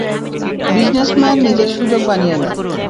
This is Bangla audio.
বিজনেসম্যান নিজের সুযোগ বানিয়ে নেয়।